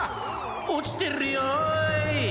「おちてるよい！」